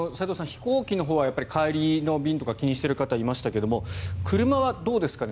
飛行機のほうは帰りの便とか気にしている方いましたけど車はどうですかね